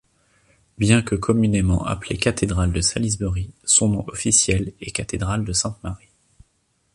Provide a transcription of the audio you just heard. Bien que communément appelée cathédrale de Salisbury, son nom officiel est cathédrale de Sainte-Marie.